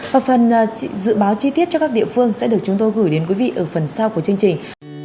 và phần dự báo chi tiết cho các địa phương sẽ được chúng tôi gửi đến quý vị ở phần sau của chương trình